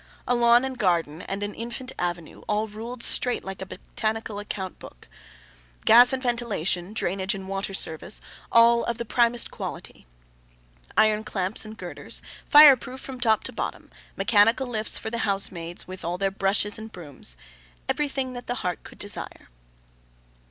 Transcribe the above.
A lawn and garden and an infant avenue, all ruled straight like a botanical account book. Gas and ventilation, drainage and water service, all of the primest quality. Iron clamps and girders, fire proof from top to bottom; mechanical lifts for the housemaids, with all their brushes and brooms; everything that heart could desire.